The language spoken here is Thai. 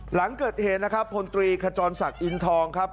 หลังเกิดเหตุนะครับพลตรีขจรศักดิ์อินทองครับ